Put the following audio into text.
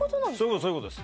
そういう事です。